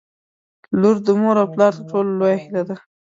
• لور د مور او پلار تر ټولو لویه هیله ده.